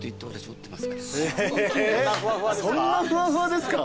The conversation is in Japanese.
そんなふわふわですか？